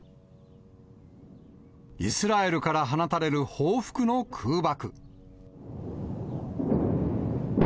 イスラエルから放たれる報復の空爆。